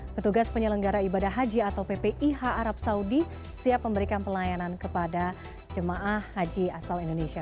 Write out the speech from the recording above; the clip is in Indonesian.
petugas penyelenggara ibadah haji atau ppih arab saudi siap memberikan pelayanan kepada jemaah haji asal indonesia